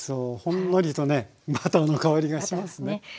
ほんのりとねバターの香りがしますね。